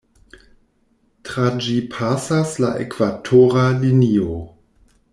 Tra ĝi pasas la Ekvatora Linio.